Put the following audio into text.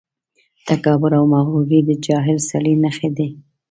تکبر او مغروري د جاهل سړي نښې دي.